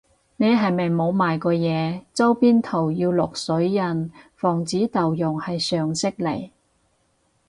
你係咪冇賣過嘢，周邊圖要落水印防止盜用係常識嚟